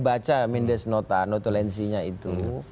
kalau saya baca mendes nota notulensinya itu